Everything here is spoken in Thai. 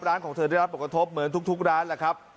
ร้านของเธอได้รับปกทบเหมือนทุกร้านล่ะครับ